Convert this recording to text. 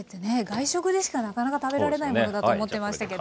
外食でしかなかなか食べられないものだと思ってましたけど。